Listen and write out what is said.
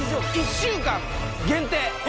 １週間限定